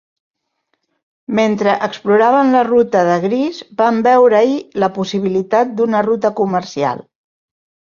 Mentre exploraven la ruta de Grease, van veure-hi la possibilitat d'una ruta comercial.